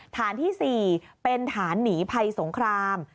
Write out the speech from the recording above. ฐานที่๔เป็นฐานหนีภัยสงคราม